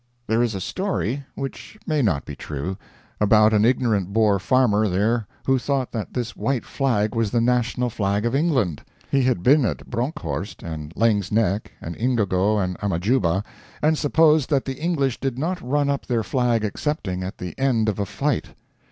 There is a story, which may not be true, about an ignorant Boer farmer there who thought that this white flag was the national flag of England. He had been at Bronkhorst, and Laing's Nek, and Ingogo and Amajuba, and supposed that the English did not run up their flag excepting at the end of a fight.